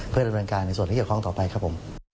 เพื่อทำรับการในส่วน่ะเกี่ยวของต่อไปครับผม